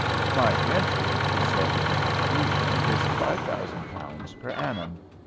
"My rent here," he said, in conclusion, "is five thousand pounds per annum.